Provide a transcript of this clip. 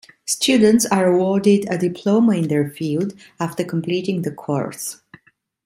Students are awarded a Diploma in their field after completing the course.